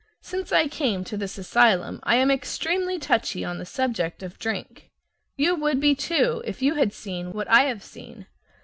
Since I came to this asylum I am extremely touchy on the subject of drink. You would be, too, if you had seen what I have seen.